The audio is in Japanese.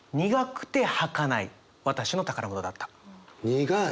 苦い？